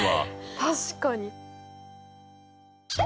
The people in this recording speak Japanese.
確かに。